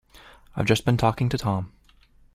I've just been talking to Tom.